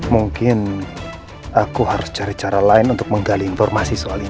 mungkin aku harus cari cara lain untuk menggali informasi soal ini